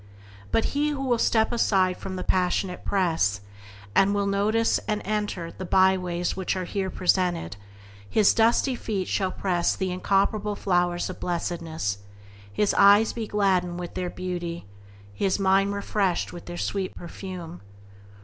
But he who will step aside from the passionate press, and will deign to notice and to enter the byways which are here presented, his dusty feet shall press the incomparable flowers of blessedness, his eyes be gladdened with their beauty, and his mind refreshed with their sweet perfume.